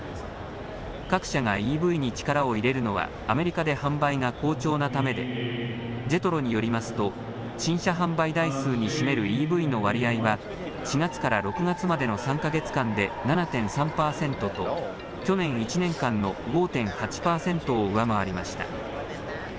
各社がＥＶに力を入れるのはアメリカで販売が好調なためでＪＥＴＲＯによりますと新車販売台数に占めるＥＶの割合は４月から６月までの３か月間で７．３％と去年１年間の５．８％を上回りました。